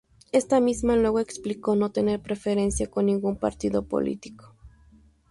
Esta misma, luego explicó no tener preferencia con ningún partido político.